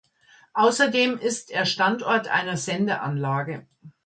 Außerdem ist er Standort einer Sendeanlage.